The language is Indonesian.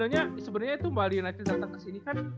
ya sebenernya itu bali united datang kesini kan